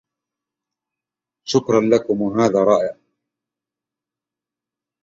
شكراً لإصغائكم.